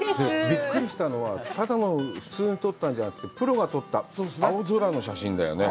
びっくりしたのはただの普通に撮ったんじゃなくてプロが撮った、青空の写真だよね。